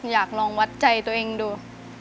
อยากลองวัดใจตัวเองดู